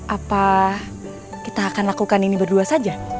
apa kita akan lakukan ini berdua saja